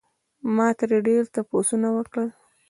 ما ترې ډېر تپوسونه وکړل